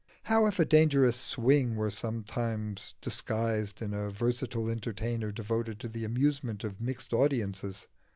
How if a dangerous "Swing" were sometimes disguised in a versatile entertainer devoted to the amusement of mixed audiences?